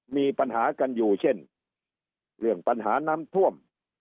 มีปัญหากันอยู่เช่นเรื่องปัญหาน้ำท่วม